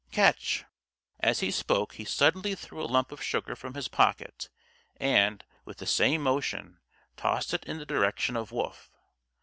"Catch!" As he spoke he suddenly drew a lump of sugar from his pocket and, with the same motion, tossed it in the direction of Wolf.